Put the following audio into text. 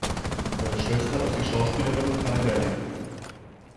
Seine Schwester ist die Schauspielerin Tyne Daly.